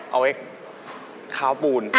เอาไว้คาวปูน